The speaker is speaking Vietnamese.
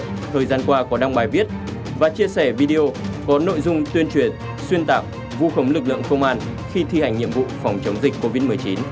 trong thời gian qua có đăng bài viết và chia sẻ video có nội dung tuyên truyền xuyên tạc vu khống lực lượng công an khi thi hành nhiệm vụ phòng chống dịch covid một mươi chín